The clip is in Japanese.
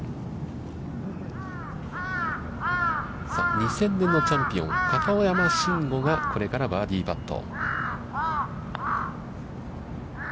２０００年のチャンピオン、片山晋呉がこれからバーディーパット。